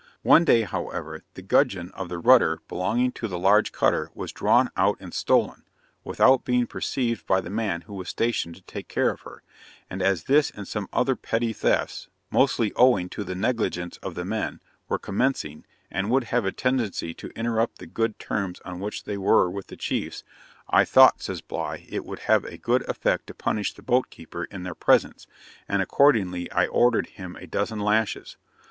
One day, however, the gudgeon of the rudder belonging to the large cutter was drawn out and stolen, without being perceived by the man who was stationed to take care of her; and as this and some other petty thefts, mostly owing to the negligence of the men, were commencing, and would have a tendency to interrupt the good terms on which they were with the chiefs, 'I thought,' says Bligh, 'it would have a good effect to punish the boat keeper in their presence, and accordingly I ordered him a dozen lashes.